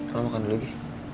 lo makan dulu gi